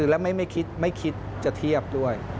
และไม่คิดจะเทียบด้วย